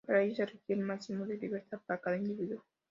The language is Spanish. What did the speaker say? Para ello se requiere el máximo de libertad para cada individuo.